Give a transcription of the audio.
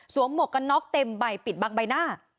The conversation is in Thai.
สวมหมกก็น็อกเต็มไปปิดบังใบหน้า